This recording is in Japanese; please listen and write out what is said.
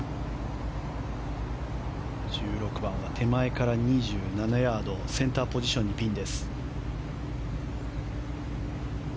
１６番は手前から２７ヤードセンターポジションにピンです。